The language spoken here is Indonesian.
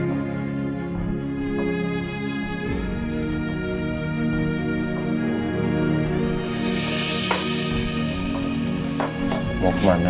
aku mau kemana